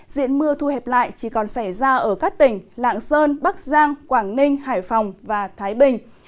diện mưa thu hẹp lại chỉ còn xảy ra ở các tỉnh lạng sơn bắc giang quảng ninh hải phòng và thái bình